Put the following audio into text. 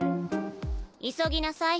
急ぎなさい